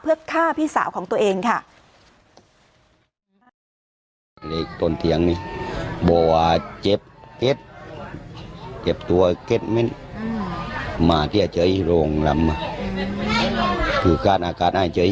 เพื่อฆ่าพี่สาวของตัวเองค่ะ